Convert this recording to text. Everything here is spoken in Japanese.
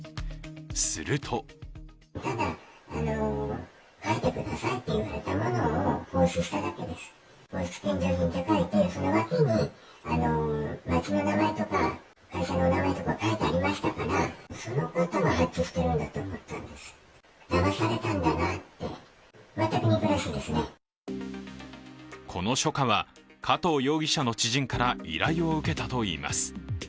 するとこの書家は、加藤容疑者の知人から依頼を受けたといいます。